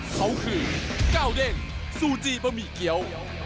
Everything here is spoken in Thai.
เขาคือก้าวเด้งซูจีบะหมี่เกี้ยว